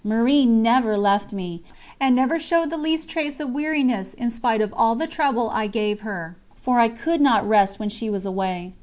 Marie never left me, and never showed the least trace of weariness in spite of all the trouble I gave her for I could not rest when she was away.